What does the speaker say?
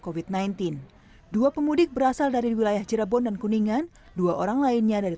covid sembilan belas dua pemudik berasal dari wilayah cirebon dan kuningan dua orang lainnya dari